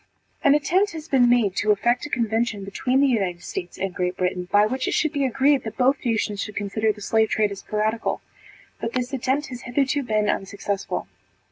An attempt has been made to effect a convention between the United States and Great Britain, by which it should be agreed that both nations should consider the slave trade as piratical; but this attempt has hitherto been unsuccessful.